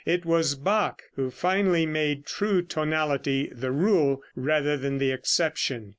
It was Bach who finally made true tonality the rule rather than the exception.